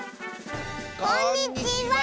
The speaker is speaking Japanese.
こんにちは！